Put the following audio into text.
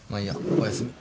おやすみ。